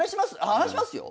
話しますよ？